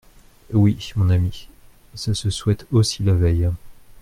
Oui, mon ami, ça se souhaite aussi la veille.